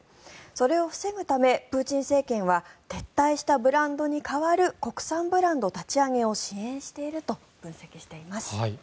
それを防ぐため、プーチン政権は撤退したブランドに代わる国産ブランド立ち上げを支援していると分析しています。